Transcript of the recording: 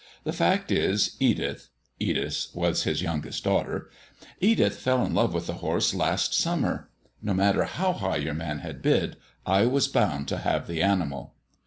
The fact is, Edith (Edith was his youngest daughter) Edith fell in love with the horse last summer. No matter how high your man had bid, I was bound to have the animal."